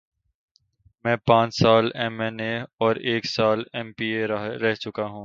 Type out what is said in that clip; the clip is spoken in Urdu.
میں پانچ سال ایم این اے اور ایک سال ایم پی اے رہ چکا ہوں۔